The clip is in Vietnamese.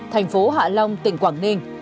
thành phố hạ long tỉnh quảng ninh